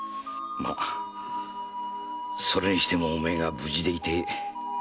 まそれにしてもお前が無事でいてよかった。